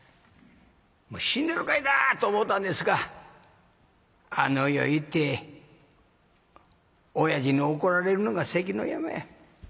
もう死んだろかいなと思たんですがあの世へ行っておやじに怒られるのが関の山や。